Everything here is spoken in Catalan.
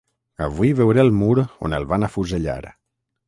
Avui veuré el mur on el van afusellar.